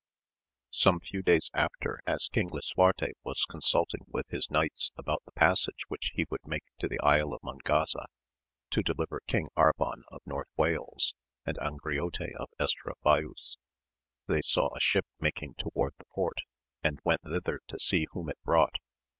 |OME few days after, as kiog lisuarte was consulting with his knights about the passage which he would make to the Isle of Mongaza^ to deUver King Arban of North Wales, and Angriote of Estravaus, they saw a ship making toward the port, and went thither to see whom it brought.